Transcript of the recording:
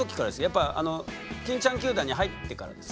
やっぱ欽ちゃん球団に入ってからですか？